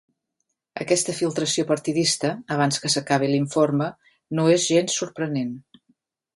Aquesta filtració partidista, abans que s’acabi l’informe, no és gens sorprenent.